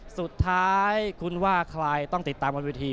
สุดท้ายคุณว่าใครต้องติดตามบนวิธี